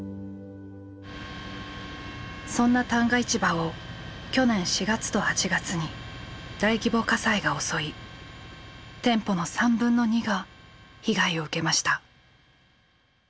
そんな旦過市場を去年４月と８月に大規模火災が襲い店舗の３分の２が被害を受けました。